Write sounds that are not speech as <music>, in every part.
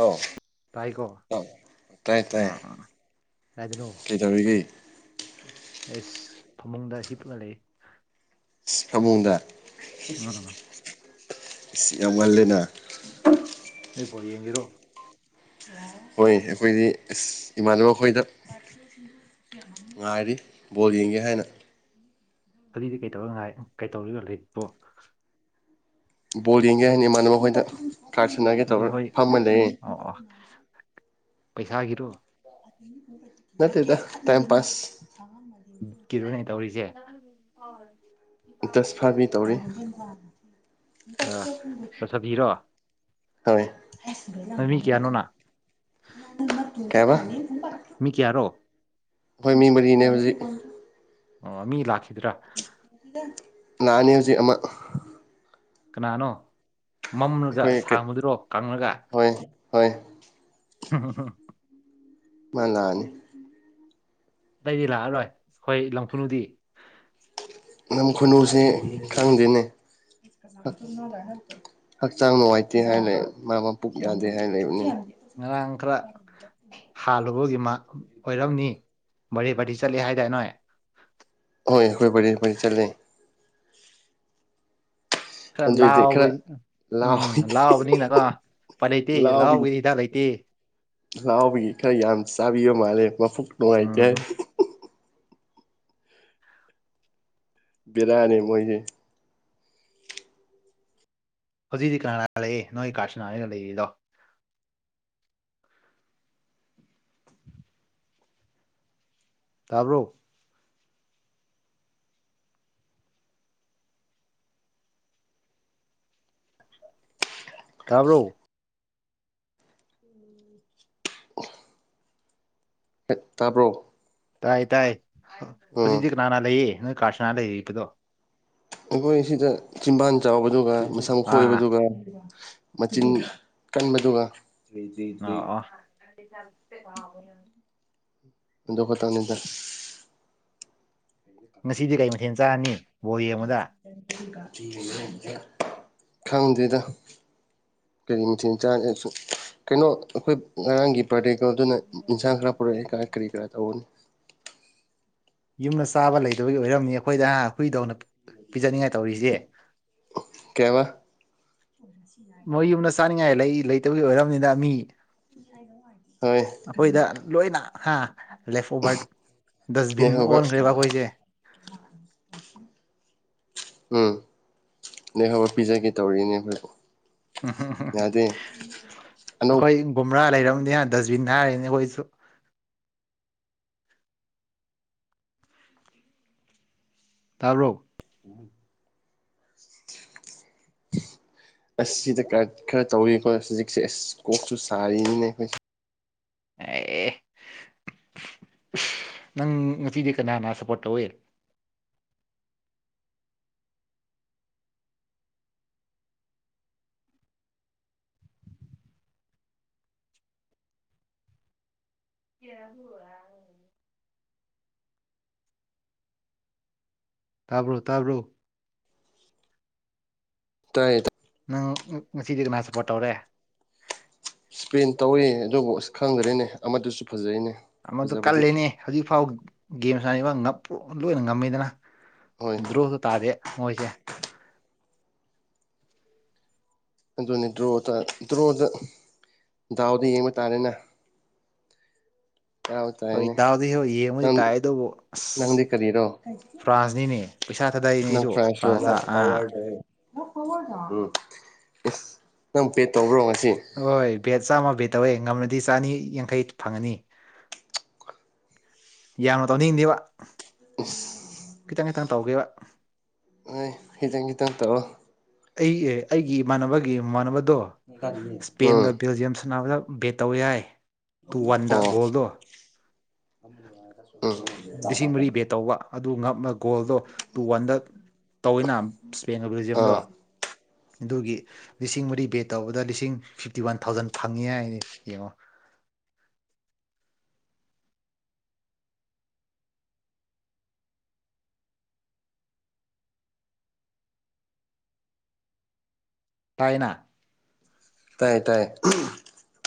ꯑꯣ ꯇꯥꯏꯀꯣ ꯑꯪ ꯇꯥꯏꯌꯦ-ꯇꯥꯏꯌꯦ ꯑꯥ ꯑꯥ ꯀꯥꯏꯗꯅꯣ ꯀꯩꯗꯧꯔꯤꯒꯦ ꯑꯩꯁ ꯐꯃꯨꯡꯗ ꯍꯤꯞꯂꯥ ꯂꯩ ꯐꯃꯨꯡꯗ ꯎꯝ ꯌꯥꯝ ꯉꯜꯂꯦꯅ ꯅ ꯄꯣ ꯌꯦꯡꯉꯔꯣ? ꯍꯣꯏ ꯑꯩꯈꯣꯏꯗꯤ ꯏꯃꯥꯟꯅꯕ ꯈꯣꯏꯗ ꯉꯥꯏꯔꯤ ꯕꯣꯜ ꯌꯦꯡꯒꯦ ꯍꯥꯏꯅ ꯑꯗꯨꯂꯤꯗꯤ ꯀꯩꯗꯧꯔ ꯉꯥꯏ ꯀꯩꯗꯧꯔꯤꯕ ꯂꯤꯥꯏꯔꯤꯠꯄꯣ ꯕꯣꯜ ꯌꯦꯡꯒꯦ ꯍꯥꯏꯅ ꯏꯃꯥꯟꯅꯕꯣꯏꯗ ꯀ꯭ꯂꯥꯏꯞ ꯁꯟꯅꯒꯦ ꯑꯗꯨꯗꯤ ꯇꯧꯔ ꯍꯣꯏ ꯐꯝꯃ ꯂꯩꯌꯦ꯫ ꯑꯣ ꯑꯣ ꯄꯩꯁꯥꯒꯤꯔꯣ? ꯅꯠꯇꯦꯗ ꯇꯥꯏꯝ ꯄꯥꯁ <unintelligible> ꯀꯤꯔꯨꯅꯦ ꯇꯧꯔꯤꯖꯦ꯫ ꯏꯟꯇꯔꯦꯁ ꯐꯥꯕꯤ ꯇꯧꯔꯤ ꯑ ꯆꯠꯊꯕꯤꯔꯣ? ꯍꯣꯏ ꯃꯤ ꯀꯌꯥꯅꯣꯅ ꯀꯩꯍꯥꯏꯕ ꯃꯤ ꯀꯌꯥꯔꯣ? ꯑꯩꯈꯣꯏ ꯃꯤ ꯃꯔꯤꯅꯦ ꯍꯧꯖꯤꯛ ꯑꯣ ꯃꯤ ꯂꯥꯛꯈꯤꯗ꯭ꯔꯥ? ꯅꯥꯛꯥꯟꯅꯤ ꯍꯧꯖꯤꯛ ꯑꯃ ꯀꯅꯥꯅꯣ ꯃꯝꯂꯥꯒ ꯑꯩꯈꯣꯏ ꯁꯥꯡꯕꯗꯨꯔꯣ ꯀꯪꯂꯥꯒ ꯍꯣꯏ ꯍꯣꯏ <unintelligible> ꯃꯥ ꯂꯥꯛꯑꯅꯤ꯫ ꯑꯇꯩꯗꯤ ꯂꯥꯛꯑꯔꯣꯏ ꯑꯩꯈꯣꯏ ꯂꯝꯐꯨꯗꯤ꯫ ꯅꯝ ꯈꯨꯅꯨꯁꯦ ꯈꯪꯗꯦꯅꯦ ꯍꯥ ꯍꯛꯆꯥꯡ ꯅꯨꯡꯉꯥꯏꯇꯦ ꯍꯥꯏꯅꯦ ꯃꯥ ꯃꯄꯨꯛ ꯌꯥꯗꯦ ꯍꯥꯏꯅꯦ ꯎꯝ ꯉꯔꯥꯡ ꯀ꯭ꯔꯥ ꯍꯥꯜꯂꯨꯕꯒꯤ ꯃꯥ ꯑꯣꯏꯔꯝꯅꯤ ꯕꯥꯔꯗꯦ ꯄꯥꯔꯇꯤ ꯆꯠꯂꯦ ꯍꯥꯏꯗꯥꯏ ꯅꯣꯏ ꯍꯣꯏ ꯍꯣꯏꯔ ꯆꯠꯂꯦ꯫ ꯈꯥ ꯑꯗꯨꯏꯗꯤ ꯂꯥꯎꯕ ꯈꯔ ꯎꯝ ꯂꯥꯎꯏ ꯂꯥꯎꯕꯅꯤꯅꯀꯣ ꯄꯥꯏꯅꯩꯇꯦ ꯂꯥꯎꯕꯒꯤ ꯍꯤꯗꯥꯛ ꯂꯩꯇꯦ꯫ ꯂꯥꯎꯕꯒꯤ ꯈꯔ ꯌꯥꯝ ꯆꯥꯕꯤꯕ ꯃꯥꯜꯂꯦ ꯃꯕꯨꯨꯛ ꯅꯨꯡꯉꯥꯏꯇꯦ꯫ ꯎꯝ ꯕꯦꯔꯥꯅꯦ ꯃꯣꯏꯖꯤ ꯍꯧꯖꯤꯛꯗꯤ ꯀꯅꯥ ꯂꯩꯌꯦꯦ ꯅꯣꯏ ꯀꯥꯥꯁꯅꯥ ꯍꯥꯏꯒ ꯂꯩꯔꯤꯗꯣ ꯇꯥꯕ꯭ꯔꯣ ꯇꯥꯕ꯭ꯔꯣ <inaudible> ꯇꯥꯕ꯭ꯔꯣ ꯇꯥꯏ ꯇꯥꯏ ꯎꯝ ꯍꯧꯖꯤꯛꯇꯤ ꯀꯅꯥꯅ ꯂꯩꯌꯦ ꯅꯣꯏ ꯀꯥꯔꯠꯁꯤꯅꯥ ꯂꯩꯔꯤꯕꯗꯣ ꯑꯩꯈꯣꯏ ꯁꯤꯗ ꯆꯤꯝꯕꯥꯟ ꯆꯥꯎꯕꯗꯨꯒ ꯃꯁꯝ ꯑꯥ ꯈꯣꯏꯕꯗꯨꯒ ꯃꯆꯤꯟ ꯀꯟꯕꯗꯨꯒ ꯑꯥ ꯑꯣ ꯗꯨ ꯈꯇꯪꯅꯤꯗ ꯉꯁꯤꯗꯤ ꯀꯩ ꯃꯊꯦꯜ ꯆꯥꯔꯅꯤ ꯕꯣ ꯌꯦꯡ ꯑꯃꯗ ꯈꯪꯗꯦꯗꯥ ꯀꯔꯤ ꯃꯊꯦꯟ ꯆꯥꯔꯦ ꯀꯩꯅꯣ ꯑꯩꯈꯣꯏ ꯉꯔꯥꯡꯒꯤ ꯄ꯭ꯔꯥꯗꯦꯀꯜꯗꯨꯅ ꯏꯟꯁꯥꯡ ꯈꯔ ꯄꯨꯔꯛꯑꯦ ꯀꯥ ꯀꯔꯤ ꯀꯔꯥ ꯇꯧꯕꯅꯤ꯫ ꯌꯨꯝꯗ ꯆꯥꯕ ꯂꯩꯗꯕꯒꯤ ꯑꯣꯏꯔꯝꯅꯤ ꯑꯩꯈꯣꯏꯗ ꯍꯨꯏꯗꯧꯅ ꯄꯤꯖꯅꯤꯡꯉꯥꯏ ꯇꯧꯔꯤꯁꯦ꯫ ꯀꯩꯕ <inaudible> ꯃꯣꯏ ꯌꯨꯝꯗ ꯆꯥꯅꯤꯡꯉꯥꯏ ꯂꯩ-ꯂꯩꯇꯕꯒꯤ ꯑꯣꯏꯔꯕꯅꯤꯅ ꯃꯤ ꯍꯣꯏ ꯑꯈꯣꯏꯗ ꯂꯣꯏꯅꯥ ꯍꯥ ꯂꯦꯐ ꯑꯣꯚꯔꯠ ꯗꯁꯕꯤꯟ ꯅꯦꯛꯍꯧꯕ ꯑꯣꯟꯈ꯭ꯔꯦꯕ ꯑꯩꯈꯣꯏꯁꯦ꯫ ꯎꯝ ꯅꯦꯍꯧ ꯄꯤꯖꯒꯦ ꯇꯧꯔꯤꯅꯦ ꯍꯣꯏ ꯎꯝ ꯎꯝ ꯎ ꯑꯅꯧꯕ ꯑꯩꯈꯣꯏ ꯒꯨꯝ꯭ꯔꯥ ꯂꯩꯔꯝꯅꯤ ꯗꯁꯕꯤꯟ ꯍꯥꯏꯔꯅꯦ ꯑꯩꯈꯣꯏꯁꯨ ꯇꯕꯔꯣ <inaudible> ꯑꯁ ꯁꯤꯗ ꯀ ꯈꯔ ꯇꯧꯔꯤꯀꯣ ꯍꯧꯖꯤꯛꯁꯦ ꯑꯁ ꯀꯣꯛꯁꯨ ꯁꯥꯔꯤꯅꯤꯅꯦ ꯑꯩꯈꯣꯏꯁꯦ ꯑꯦ ꯅꯪ ꯉꯁꯤꯗꯤ ꯀꯅꯥꯅꯥ ꯁꯞꯄꯣꯔꯠ ꯇꯧꯋꯦ <inaudible> ꯇꯥꯕ꯭ꯔꯣ ꯇꯥꯕ꯭ꯔꯣ ꯇꯥꯏ ꯅꯪ ꯉꯁꯤꯗꯤ ꯀꯥꯅ ꯁꯞꯄꯣꯔꯠ ꯇꯧꯔꯦ ꯏꯁꯄꯦꯟ ꯇꯧꯋꯤ ꯑꯗꯨꯕꯨ ꯑꯁ ꯈꯪꯗ꯭ꯔꯦꯅꯦ ꯑꯃꯗꯨꯁꯨ ꯐꯖꯩꯅꯦ ꯑꯃꯗꯣ ꯐꯖꯕꯗꯤ ꯀꯂꯦꯅꯦ ꯍꯧꯖꯤꯛꯐꯥꯎ ꯒꯦꯝ ꯁꯅ ꯂꯣꯏꯅ ꯉꯝꯃꯤꯗꯅ ꯍꯣꯏ ꯗ꯭ꯔꯣꯁꯨ ꯇꯥꯗꯦ ꯃꯣꯏꯁꯦ ꯑꯗꯨꯅꯤ ꯗ꯭ꯔꯣꯗ ꯗ꯭ꯔꯣꯗ ꯗꯥꯎꯗ ꯌꯦꯡꯕ ꯇꯥꯔꯦꯅꯦ <inaudible> ꯍꯣꯏ ꯇꯥꯔꯦꯅꯦ ꯇꯥꯎꯗꯤ ꯍꯦꯔꯣ ꯌꯦꯡꯕꯗꯤ ꯅꯪ ꯇꯥꯏ ꯑꯗꯨꯕꯨ ꯑꯁ ꯅꯪꯗꯤ ꯀꯔꯤꯔꯣ ꯐ꯭ꯔꯥꯟꯁꯅꯤꯅꯦ ꯄꯩꯁꯥ ꯊꯥꯗꯩꯏꯅꯦ ꯅꯪ ꯑꯩꯁꯨ ꯐ꯭ꯔꯥꯟꯁꯔꯣ ꯐ꯭ꯔꯥꯟꯁꯇ ꯑꯥ ꯎꯝ ꯅꯪ ꯄꯦ ꯇꯧꯕ꯭ꯔꯣ ꯉꯁꯤ ꯍꯣꯏ ꯕꯦꯠ ꯆꯥꯝꯃ ꯕꯦꯠ ꯇꯧꯋꯦ ꯉꯝꯃꯗꯤ ꯆꯥꯅꯤ ꯌꯥꯡꯈꯩ ꯐꯪꯉꯅꯤ ꯌꯥꯝꯅ ꯇꯧꯅꯤꯡꯗꯦꯕ ꯑꯁ ꯈꯤꯇꯪ ꯈꯤꯇꯪ ꯇꯧꯒꯦꯕ ꯅꯣꯏ ꯈꯤꯇꯪ ꯈꯤꯇꯪ ꯇꯧꯑꯣ ꯑꯩ ꯑꯩꯒꯤ ꯏꯃꯥꯟꯅꯕꯒꯤ ꯏꯃꯥꯟꯅꯕꯗꯣ ꯎꯝ ꯁ꯭ꯄꯦꯟꯒ ꯕꯦꯜꯖꯤꯌꯝ ꯁꯥꯟꯅꯕꯗ ꯕꯦꯠ ꯇꯧꯌꯦ ꯍꯥꯏ ꯑꯣ ꯂꯤꯁꯤꯡ ꯃꯔꯤ ꯕꯦꯠ ꯇꯧꯕ ꯑꯗꯨ ꯉꯞꯅ ꯒꯣꯜꯗꯣ ꯇꯨ ꯋꯥꯟꯗ ꯇꯧꯋꯤꯅ ꯁ꯭ꯄꯦꯟꯒ ꯕꯦꯜꯖꯤꯌꯝꯗꯣ ꯑꯥ ꯑꯗꯨꯒꯤ ꯂꯤꯁꯤꯡ ꯃꯔꯤ ꯕꯦ ꯇꯧꯕꯗ ꯂꯤꯁꯤꯡ ꯐꯤꯐꯇꯤ ꯋꯥꯟ ꯊꯥꯎꯖꯟ ꯐꯪꯉꯤ ꯍꯥꯏꯅꯤ ꯌꯦꯡꯉꯣ ꯇꯥꯏꯅꯥ ꯇꯥꯏ ꯇꯥꯏ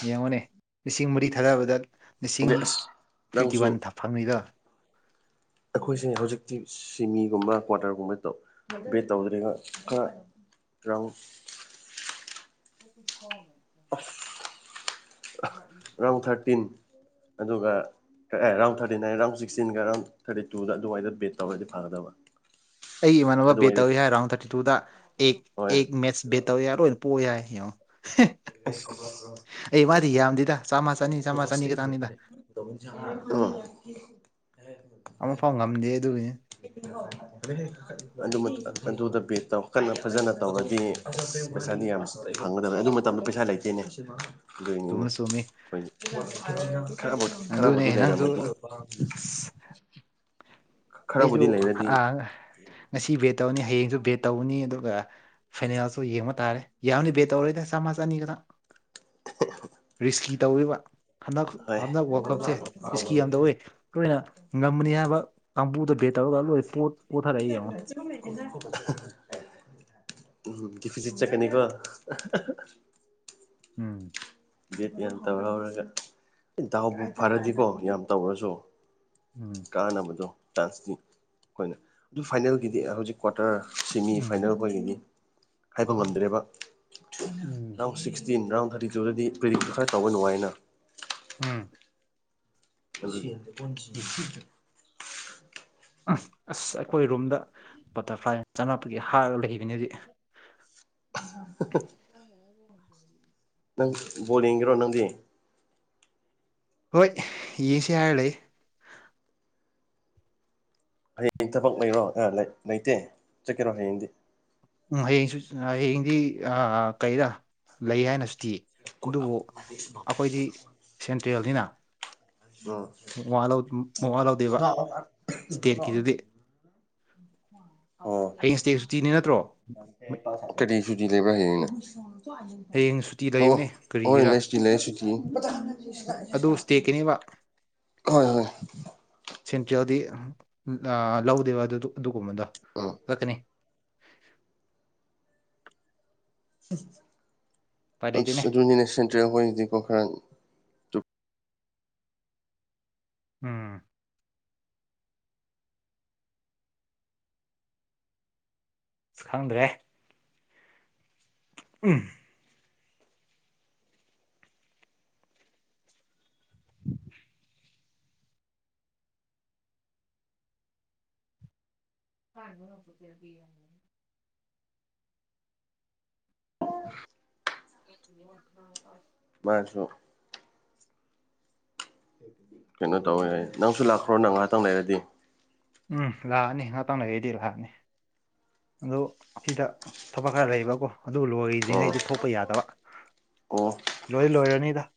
ꯌꯦꯡꯉꯣꯅꯦ ꯂꯤꯁꯤꯡ ꯃꯔꯤ ꯊꯥꯗꯕꯗ ꯂꯤꯁꯤꯡ ꯑꯗꯩ ꯑꯁ ꯐꯤꯐꯇꯤ ꯅꯪꯁꯨ ꯋꯥꯟ ꯐꯪꯉꯤꯗꯣ ꯑꯩꯈꯣꯏꯁꯦ ꯍꯧꯖꯤꯛꯇꯤ ꯁꯤꯃꯤꯒꯨꯝꯕ ꯀ꯭ꯋꯥꯇꯔꯒꯨꯝꯕ ꯇꯧ ꯕꯦꯠ ꯇꯧꯗ꯭ꯔꯒ ꯈꯔ ꯔꯣ <inaudible> ꯑꯁ ꯑ ꯔꯥꯎꯟ ꯊꯥꯔꯇꯤꯟ ꯑꯗꯨꯒ ꯑꯦ ꯔꯥꯎꯟ ꯊꯥꯔꯇꯤꯟ ꯅꯥꯏꯟ ꯔꯥꯎꯟ ꯁꯤꯛꯁꯇꯤꯟꯒ ꯔꯥꯎꯟ ꯊꯔꯇꯤ ꯇꯨꯗ ꯑꯗꯨꯃꯋꯥꯅꯗ ꯕꯦꯠ ꯇꯧꯔꯒꯗꯤ ꯐꯒꯗꯕ ꯑꯩꯒꯤ ꯏꯃꯥꯟꯅꯕ ꯕꯦꯠ ꯑꯗꯨꯋꯥꯏꯗ ꯇꯧꯋꯏ ꯍꯥꯏ ꯔꯥꯎꯟ ꯊꯥꯔꯇꯤ ꯇꯨꯗ ꯑꯦꯛ ꯍꯣꯏ ꯑꯦ ꯃꯦꯠꯁ ꯕꯦꯠ ꯇꯧꯋꯦ ꯔꯣꯏꯅ ꯄꯣꯏꯌꯦ ꯌꯦꯡꯉꯣ ꯍ ꯑꯁ ꯑꯩ ꯃꯥꯗꯤ ꯌꯥꯝꯗꯦꯗ ꯆꯥꯝꯃ ꯆꯅꯤ ꯆꯥꯝꯃ ꯆꯅꯤ ꯈꯥꯇꯪꯅꯤꯗ ꯎꯝ ꯑꯃꯐꯥꯎ ꯉꯝꯗꯦ ꯑꯗꯨꯒꯤꯅꯤ <unintelligible> ꯑꯗꯨꯃ ꯑꯗꯨꯗ ꯕꯦꯠ ꯇꯧ ꯀꯠꯅ ꯐꯖꯅ ꯇꯧꯔꯗꯤ ꯄꯩꯁꯥꯗꯤ ꯌꯥꯝ ꯐꯪꯒꯗꯕꯅꯤ ꯑꯗꯨ ꯃꯇꯝꯗ ꯄꯩꯁꯥ ꯂꯩꯇꯦꯅꯦ ꯑꯗꯨꯏꯅꯤꯅꯦ ꯆꯨꯝꯃꯤ ꯆꯨꯝꯃꯤ ꯑꯩꯈꯣꯏ ꯈꯔꯕꯨ ꯑꯗꯨꯅꯦ ꯈꯔꯕꯨꯗꯤ ꯅꯪꯁꯨ ꯂꯩꯔꯝꯃꯗꯤ ꯑꯁ ꯑꯩꯁꯨ ꯈꯔꯕꯨꯗꯤ ꯂꯩꯔꯗꯤ ꯉꯁꯤ ꯕꯦꯠ ꯇꯧꯅꯤ ꯍꯌꯦꯡꯁꯨ ꯕꯦꯠ ꯇꯧꯅꯤ ꯑꯗꯨꯒ ꯐꯥꯏꯅꯜꯁꯨ ꯌꯦꯡꯕ ꯇꯥꯔꯦ ꯌꯥꯎꯅꯤ ꯕꯦꯠ ꯇꯧꯔꯣꯏꯅꯦ ꯆꯝꯃꯥ ꯆꯥꯅꯤ ꯒꯗ ꯔꯤꯁꯀꯤ ꯇꯧꯋꯤꯕ ꯍꯟꯗꯛ ꯍꯣꯏ ꯍꯟꯗꯛ ꯋꯥꯜ ꯀꯞꯁꯦ ꯔꯤꯁꯀꯤ ꯌꯥꯝ ꯇꯧꯋꯦ ꯑꯩꯈꯣꯏꯅ ꯉꯝꯃꯅꯤ ꯍꯥꯏꯕ ꯀꯥꯡꯕꯨꯗ ꯕꯦꯠ ꯇꯧꯔꯒ ꯂꯣꯏ ꯄꯣ ꯄꯣꯊꯔꯛꯏ ꯌꯦꯡꯉꯣ ꯎꯝ ꯀꯤꯐꯤꯁꯤꯠ ꯆꯠꯀꯅꯤꯀꯣ ꯎꯝ ꯗꯦꯠ ꯌꯥꯝꯟ ꯇꯧꯍꯧꯔꯒ ꯗꯥꯎꯕꯨ ꯐꯔꯗꯤꯀꯣ ꯌꯥꯝ ꯇꯧꯔꯁꯨ ꯎꯝ ꯀꯥꯅꯕꯗꯣ ꯆꯥꯟꯁꯇꯤ ꯑꯩꯈꯣꯏꯅ ꯑꯗꯨ ꯐꯥꯏꯅꯦꯜꯒꯤꯗꯤ ꯍꯧꯖꯤꯛ ꯀ꯭ꯋꯥꯇꯔ ꯁꯦꯃꯤ ꯎꯝ ꯐꯥꯏꯅꯦꯜ ꯈꯣꯏꯒꯤꯗꯤ ꯍꯥꯏꯕ ꯉꯝꯗ꯭ꯔꯦꯕ ꯎꯝ ꯑꯣ ꯁꯤꯛꯁꯇꯤꯟ ꯔꯥꯎꯟ ꯊꯥꯔꯇꯤ ꯇꯨꯗꯗꯤ ꯄ꯭ꯔꯤꯗꯤꯛ ꯈꯔ ꯇꯧꯕ ꯅꯨꯡꯉꯥꯏꯅ ꯎꯝ <unintelligible> ꯑꯁ ꯑꯩꯈꯣꯏ ꯔꯨꯝꯗ ꯕꯇꯔꯐ꯭ꯂꯥꯏ ꯆꯝꯉꯛꯄꯒꯤ ꯍꯥꯏꯔꯒ ꯂꯩꯕꯅꯤ ꯍꯧꯖꯤꯛ <unintelligible> ꯅꯪ ꯕꯣꯜ ꯌꯦꯡꯒꯦꯔꯣ ꯅꯪꯗꯤ ꯍꯣꯏ ꯌꯦꯡꯁꯤ ꯍꯥꯏꯔꯒ ꯂꯩ ꯍꯌꯦꯡ ꯊꯕꯛ ꯂꯩꯔꯣ ꯑ ꯂꯩꯇꯦ ꯆꯠꯀꯦꯔꯣ ꯍꯌꯦꯡꯗꯤ ꯎꯝ ꯍꯌꯦꯡꯁꯨ ꯍꯌꯦꯡꯗꯤ ꯑ ꯀꯩꯔ ꯂꯩ ꯍꯥꯏꯅꯁꯨ ꯊꯤ ꯑꯗꯨꯕꯨ ꯑꯩꯈꯣꯏꯗꯤ ꯁꯦꯟꯇ꯭ꯔꯦꯜꯅꯤꯅ <unintelligible> ꯃꯋꯥ ꯃꯋꯥ ꯂꯧꯗꯦꯕ ꯁ꯭ꯇꯦꯠꯀꯤꯗꯨꯗꯤ ꯑꯣ ꯍꯌꯦꯡ ꯏꯁꯇꯦꯠꯁꯨꯇꯤꯅꯦ ꯅꯠꯇ꯭ꯔꯣ ꯀꯔꯤ ꯁꯨꯇꯤ ꯂꯩꯕ꯭ꯔ ꯍꯌꯦꯡꯅ ꯍꯌꯦꯡ ꯁꯨꯇꯤ ꯑꯣ ꯂꯩꯕꯅꯦ ꯀꯔꯤꯒꯤꯔꯥ ꯑꯗꯨ ꯏꯁꯇꯦꯠꯀꯤꯅꯦꯕ <unintelligible> <unintelligible> ꯁꯦꯟꯇ꯭ꯔꯦꯜꯗꯤ ꯑ ꯂꯧꯗꯦꯕ ꯑꯗꯨꯗꯨ ꯑꯗꯨꯒꯨꯝꯕꯗꯣ ꯑꯥ ꯂꯛꯀꯅꯤ ꯎꯄꯥꯏ ꯑꯁ ꯂꯩꯇꯦꯅꯦ ꯑꯗꯨꯅꯤꯅꯦ ꯁꯦꯟꯇ꯭ꯔꯦꯜ ꯈꯣꯏꯗꯤꯀꯣ ꯈꯔ ꯎꯝ ꯑꯁ ꯈꯪꯗ꯭ꯔꯦꯍꯦ ꯎꯝ <inaudible> <unintelligible> <inaudible> ꯃꯥꯅꯁꯨ ꯀꯩꯅꯣ ꯇꯧꯋꯦ ꯍꯥꯏꯌꯦ ꯅꯪꯁꯨ ꯂꯥꯛꯈ꯭ꯔꯣ ꯅ ꯉꯥꯏꯍꯥꯛꯇꯪ ꯂꯩꯔꯗꯤ ꯎꯝ ꯂꯥꯛꯑꯅꯤ ꯉꯥꯇꯪ ꯂꯩꯔꯗꯤ ꯂꯥꯛꯑꯅꯤ ꯑꯗꯣ ꯁꯤꯗ ꯊꯕꯛ ꯈꯔ ꯂꯩꯕ꯭ꯔꯀꯣ ꯑꯗꯨꯕꯨ ꯑꯣ ꯂꯣꯏꯗ꯭ꯔꯤꯉꯩꯗꯤ ꯊꯣꯛꯄ ꯌꯥꯗꯕ ꯑꯣ ꯂꯣꯏ ꯂꯣꯏꯔꯅꯤꯗ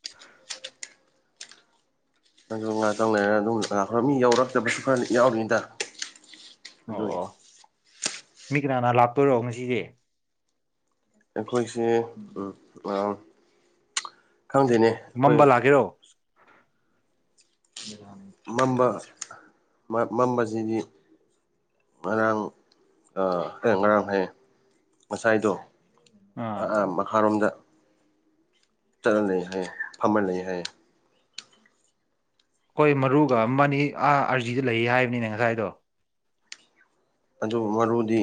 ꯑꯗꯨ ꯉꯥꯇꯪ ꯂꯩꯔ ꯑꯗꯨꯝ ꯂꯥꯛꯈ꯭ꯔꯣ ꯃꯤ ꯌꯥꯎꯔꯛꯇꯕꯁꯨ ꯈꯔ ꯌꯥꯎꯅꯤꯗ ꯑꯣ ꯑꯣ ꯃꯤ ꯀꯅꯥ ꯀꯅꯥ ꯂꯥꯛꯇꯣꯏꯔꯣ ꯉꯁꯤꯁꯦ ꯑꯩꯈꯣꯏꯁꯦ ꯎꯝ ꯑ ꯈꯪꯗꯦꯅꯦ ꯃꯝꯕ ꯑꯩꯈꯣꯏ ꯂꯥꯛꯒꯦꯔꯣ ꯃꯝꯕ ꯃꯝꯕꯁꯤꯗꯤ ꯉꯔꯥꯡ ꯑ ꯉꯔꯥꯡ ꯍꯥꯏ ꯉꯁꯥꯏꯗꯣ ꯑꯥ ꯑ ꯑ ꯃꯈꯥꯔꯣꯝꯗ ꯆꯠꯂ ꯂꯩ ꯍꯥꯏꯌꯦ ꯐꯝꯃ ꯂꯩ ꯍꯥꯏꯌꯦ ꯍꯣꯏ ꯃꯔꯨꯒ ꯑꯃꯅꯤ ꯑꯥ ꯑꯥꯔꯖꯤꯗ ꯂꯩꯌꯦ ꯍꯥꯏꯕꯅꯤꯅꯦ ꯉꯁꯥꯏꯗꯣ ꯑꯗꯨ ꯃꯔꯨꯗꯤ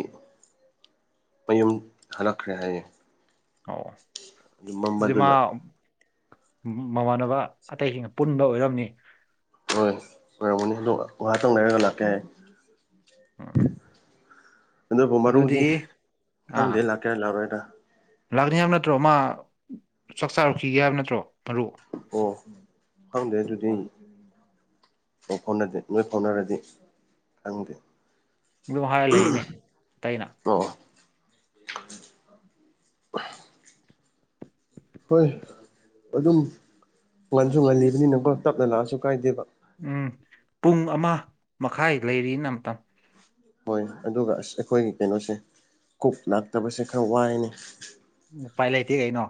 ꯃꯌꯨꯝ ꯍꯜꯂꯛꯈ꯭ꯔꯦ ꯍꯥꯏꯌꯦ ꯑꯣ ꯑꯗꯨ ꯑꯗꯨꯗꯤ ꯃꯥ ꯃꯝꯕꯗꯨꯅ ꯃꯃꯥꯟꯅꯕ ꯑꯇꯩꯁꯤꯡꯒ ꯄꯨꯟꯕ ꯑꯣꯏꯔꯝꯅꯤ ꯍꯣꯏ ꯑꯣꯏꯣꯏꯔꯝꯃꯅꯤ ꯑꯗꯣ ꯉꯍꯥꯛꯇꯪ ꯂꯩꯔꯒ ꯂꯥꯛꯀꯦ ꯍꯥꯏ ꯎꯝ ꯑꯗꯨꯕꯨ ꯑꯗꯨꯗꯤ ꯃꯔꯨꯗꯤ ꯑꯥ ꯈꯪꯗꯦ ꯂꯥꯛꯀꯦ ꯂꯥꯛꯔꯣꯏꯗꯥ ꯂꯥꯛꯅꯤ ꯍꯥꯏꯕ ꯅꯠꯇ꯭ꯔꯣ ꯃꯥ ꯆꯥꯛ ꯆꯥꯔꯨꯈꯤꯒꯦ ꯍꯥꯏꯕ ꯅꯠꯇ꯭ꯔꯣ ꯃꯔꯨ ꯑꯣ ꯈꯪꯗꯦ ꯑꯗꯨꯗꯤ ꯑꯣ ꯐꯥꯎꯅꯗꯦ ꯅꯣꯏ ꯐꯥꯎꯅꯔꯗꯤ ꯈꯪꯗꯦ ꯑꯗꯨ ꯍꯥꯏꯔ ꯂꯩꯅꯦ ꯇꯩꯩꯅ ꯑꯣ <inaudible> ꯍꯣꯏ ꯑꯗꯨꯝ ꯉꯟꯁꯨ ꯉꯜꯂꯤꯕꯅꯤꯅꯀꯣ ꯇꯞꯅ ꯂꯥꯛꯑꯁꯨ ꯀꯥꯏꯗꯦꯕ ꯎꯝ ꯄꯨꯡ ꯑꯃ ꯃꯈꯥꯏ ꯂꯩꯔꯤꯅ ꯃꯇꯝ ꯍꯣꯏ ꯑꯗꯨꯒ ꯑꯁ ꯑꯩꯈꯣꯏꯒꯤ ꯀꯩꯅꯣꯁꯦ ꯀꯣꯛ ꯂꯥꯛꯇꯕꯁꯦ ꯈꯔ ꯋꯥꯏꯅꯤ ꯎꯄꯥꯏ ꯂꯩꯇꯦ ꯀꯩꯅꯣ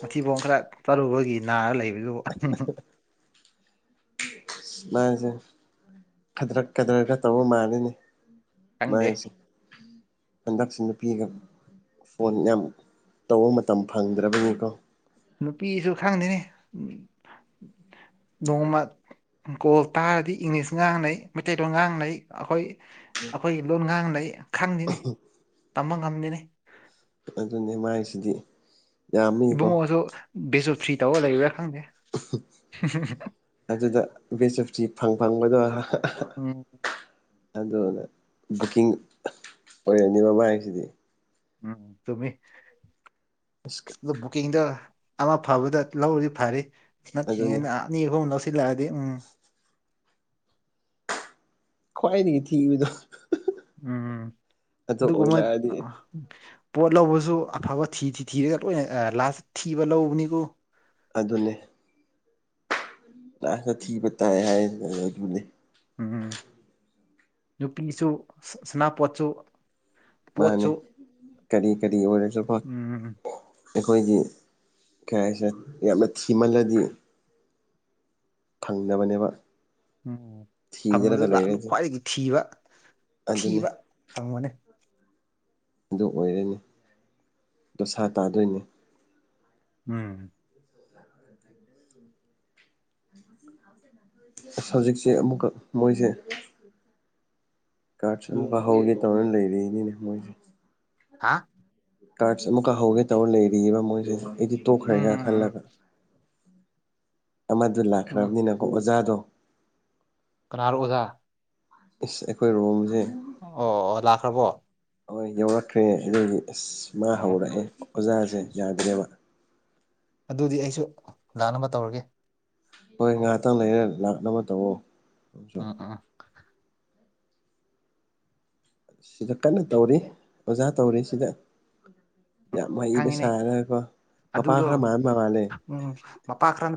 ꯃꯊꯤꯕꯣꯡ ꯈꯔ ꯇꯔꯨꯕꯒꯤ ꯅꯥꯔ ꯂꯩꯕꯗꯨꯕꯨ ꯃꯥꯁꯦ ꯈꯗ꯭ꯔꯛ ꯀꯥꯗꯔ ꯈꯥ ꯇꯧꯕ ꯃꯥꯜꯂꯤꯅꯦ ꯈꯪꯗꯦ ꯃꯥꯟꯁꯤ ꯍꯟꯗꯛꯁꯤ ꯅꯨꯄꯤꯒ ꯐꯣꯟ ꯌꯥꯝ ꯇꯧꯕ ꯃꯇꯝ ꯐꯪꯗ꯭ꯔꯕꯅꯤꯀꯣ ꯅꯨꯄꯤꯁꯨ ꯈꯪꯗꯦꯅꯤ ꯅꯣꯡꯃ ꯀꯣꯜ ꯇꯥꯔꯗꯤ ꯏꯪꯂꯤꯁ ꯉꯥꯡꯅꯩ ꯃꯩꯇꯩꯂꯣꯟ ꯉꯥꯡꯅꯩ ꯑꯩꯈꯣꯏ ꯑꯩꯈꯣꯏꯒꯤ ꯂꯣꯟ ꯉꯥꯡꯅꯩ ꯈꯪꯗꯅꯤ ꯇꯝꯕ ꯉꯝꯗꯦꯅꯦ ꯑꯗꯨꯅꯦ ꯃꯥꯏꯁꯤꯗꯤ ꯌꯥꯝꯃꯤꯀꯣ ꯏꯕꯨꯡꯉꯣꯁꯨ ꯕꯦꯁ ꯑꯣꯐ ꯊ꯭ꯔꯤ ꯇꯧꯔ ꯂꯩꯕ꯭ꯔꯥ ꯈꯪꯗꯦ <unintelligible> ꯑꯗꯨꯗ ꯕꯦꯖ ꯑꯣꯐ ꯇꯤ ꯐꯪ ꯐꯪꯕꯗꯣ ꯎꯝ ꯑꯗꯨꯅ ꯕꯨꯛꯀꯤꯡ ꯑꯣꯏꯔꯛꯅꯤꯕꯥ ꯃꯥꯏꯁꯤꯗꯤ ꯎꯝ ꯇꯨꯝꯃꯤ <unintelligible> ꯂꯨꯛ ꯕꯨꯛꯀꯤꯡꯗꯣ ꯑꯃ ꯐꯕꯥꯗ ꯂꯧꯔꯥꯗꯤ ꯐꯥꯔꯤ ꯑꯗꯨꯅꯤ ꯅꯠꯇ꯭ꯔꯤꯉꯩꯅ ꯑꯅꯤ ꯑꯍꯨꯝ ꯂꯧꯁꯤꯜꯂꯗꯤ ꯎꯝ ꯈ꯭ꯋꯥꯏꯗꯒꯤ ꯊꯤꯕꯗꯣ ꯎꯝ ꯑꯗꯨ ꯒꯃꯥꯏ ꯑꯥ ꯄꯣꯠ ꯂꯧꯕꯁꯨ ꯑꯐꯕ ꯊꯤ ꯊꯤ ꯊꯤꯔꯒ ꯂꯣꯏꯅ ꯑ ꯂꯥꯁ ꯊꯤꯕ ꯂꯧꯕꯅꯤꯀꯣ ꯑꯗꯨꯅꯦ ꯂꯥꯁꯇ ꯊꯤꯕ ꯇꯥꯏ ꯍꯥꯏ ꯑꯗꯨꯅꯦ ꯎꯝ ꯅꯨꯄꯤꯁꯨ ꯁꯅꯥꯄꯣꯠꯁꯨ ꯃꯥꯅꯦ ꯄꯣꯠꯁꯨ ꯀꯔꯤ-ꯀꯔꯤ ꯑꯣꯏꯔꯖꯨꯀꯣ ꯎꯝ ꯑꯩꯈꯣꯏꯒꯤ ꯀꯩꯍꯥꯏꯁꯦ ꯌꯥꯝꯅ ꯊꯤꯃꯜꯂꯗꯤ ꯐꯪꯗꯕꯅꯦꯕ ꯎꯝ ꯐꯪꯕꯗꯨ ꯊꯤꯗ꯭ꯔꯒ ꯂꯥꯛꯍꯟꯂꯨ ꯂꯩꯔꯗꯤ ꯈ꯭ꯋꯥꯏꯗꯒꯤ ꯑꯗꯨꯅꯤ ꯊꯤꯕ-ꯊꯤꯕ ꯐꯪꯕꯅꯦ ꯑꯗꯨ ꯑꯣꯏꯔꯅꯤ ꯗꯣꯁꯥ ꯇꯥꯗꯣꯏꯅꯦ ꯎꯝ <inaudible> <inaudible> ꯍꯧꯖꯤꯛꯁꯦ ꯑꯃꯨꯛꯀꯥ ꯃꯣꯏꯁꯦ ꯀꯥꯔꯁꯟꯕ ꯍꯧꯒꯦ ꯇꯧꯔ ꯂꯩꯔꯤꯅꯤꯅꯦ ꯃꯣꯏꯁꯦ ꯍꯥ ꯇꯥꯛ꯭ꯁ ꯑꯃꯨꯛꯀꯥ ꯍꯧꯒꯦ ꯇꯧꯔꯤ ꯂꯩꯔꯤꯌꯦꯕ ꯃꯣꯏꯁꯦ ꯑꯩꯗꯤ ꯎꯝ ꯇꯣꯛꯈ꯭ꯔꯦꯅ ꯎꯝ ꯈꯜꯂꯥꯒ ꯑꯃꯗꯨ ꯎꯝ ꯎꯝ ꯂꯥꯛꯈ꯭ꯔꯥꯕꯅꯤꯅꯀꯣ ꯑꯣꯖꯥꯗꯣ ꯀꯅꯥꯔꯣ ꯑꯣꯖꯥ ꯏꯁ ꯑꯩꯈꯣꯏ ꯔꯣꯝꯖꯦ ꯑꯣ ꯑꯣ ꯂꯥꯛꯈ꯭ꯔꯕꯣ ꯍꯣꯏ ꯌꯧꯔꯛꯈ꯭ꯔꯦ ꯑꯗꯨꯒꯤ ꯑꯁ ꯃꯥ ꯑꯣ ꯍꯧꯔꯛꯑꯦ ꯑꯣꯖꯥꯁꯦ ꯌꯥꯗ꯭ꯔꯦꯕ ꯑꯗꯨꯗꯤ ꯑꯩꯁꯨ ꯂꯥꯟꯅꯕ ꯇꯧꯔꯒꯦ ꯍꯣꯏ ꯉꯥꯏꯍꯥꯛꯇꯪ ꯂꯩꯔ ꯂꯥꯛꯅꯕ ꯇꯧ ꯎꯝ ꯎꯝ ꯁꯤꯗ ꯀꯟꯅ ꯇꯧꯔꯤ ꯑꯣꯖꯥ ꯇꯧꯔꯤ ꯁꯤꯗ ꯌꯥꯝ ꯍꯩꯕ ꯈꯪꯉꯤꯅꯦ ꯁꯥꯔꯒꯀꯣ ꯃꯄꯥ ꯑꯗꯨꯗꯣ ꯈꯔ ꯃꯥꯥꯟꯕ ꯃꯥꯜꯂꯦ ꯎꯝ ꯃꯄꯥ ꯈ꯭ꯔꯟꯇꯦ